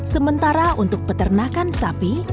sementara untuk peternakan sapi